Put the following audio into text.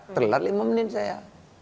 terlewat lima menit saya